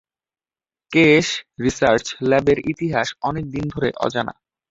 Case research ল্যাবের ইতিহাস অনেক দিন ধরে অজানা।